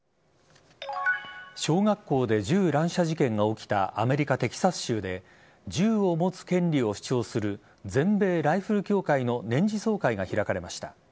小学校で銃乱射事件が起きたアメリカ・テキサス州で銃を持つ権利を主張する全米ライフル協会の年次総会が開かれました。